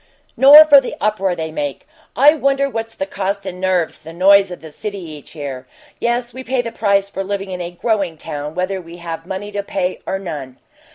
Nor for the uproar they make. I wonder what's the cost in nerves for the noise of the city each year. Yes, we pay the price for living in a 'growing town,' whether we have money to pay or none."